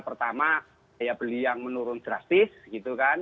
pertama daya beli yang menurun drastis gitu kan